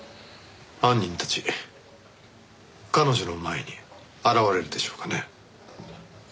犯人たち彼女の前に現れるでしょうかね？